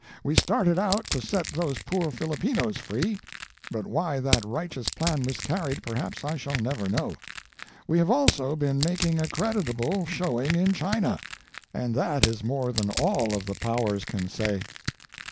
We started out to set those poor Filipinos free, but why that righteous plan miscarried perhaps I shall never know. we have also been making a creditable showing in China, and that is more than all of the powers can say.